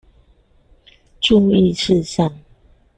注意事項